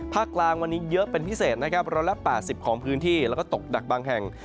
กลางวันนี้เยอะเป็นพิเศษนะครับ๑๘๐ของพื้นที่แล้วก็ตกหนักบางแห่ง